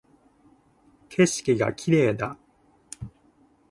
景色が綺麗だ